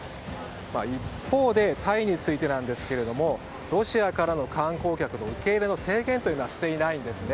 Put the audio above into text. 一方、タイについてなんですがロシアからの観光客の受け入れの制限はしていないんですね。